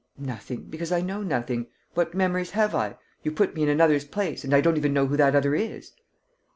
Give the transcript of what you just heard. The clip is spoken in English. "Nothing, because I know nothing. What memories have I? You put me in another's place and I don't even know who that other is."